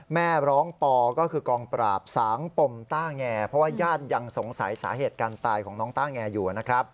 แม่ร้องปอก็คือกองปราบสางปมต้าแงเพราะว่าญาติยังสงสัยสาเหตุการตายของน้องต้าแงอยู่นะครับ